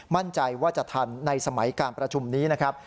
มั่นใจว่าจะทันในสมัยการประชุมนี้นะครับ